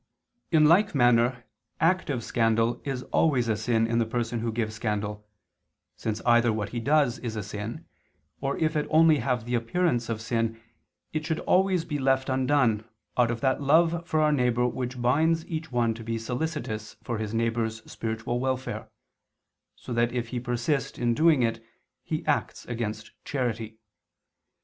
In like manner active scandal is always a sin in the person who gives scandal, since either what he does is a sin, or if it only have the appearance of sin, it should always be left undone out of that love for our neighbor which binds each one to be solicitous for his neighbor's spiritual welfare; so that if he persist in doing it he acts against charity.